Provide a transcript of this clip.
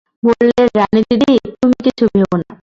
বললে, রানীদিদি, তুমি কিছু ভেবো না।